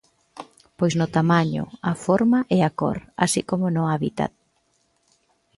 Pois no tamaño, a forma e a cor, así como no hábitat.